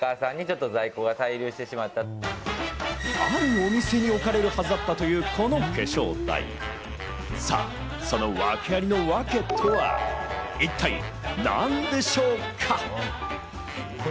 あるお店に置かれるはずだったというこの化粧台、その訳ありのワケとは一体何でしょうか？